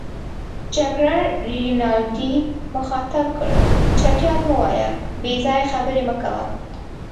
جګړن رینالډي مخاطب کړ: چټیات مه وایه، بې ځایه خبرې مه کوه.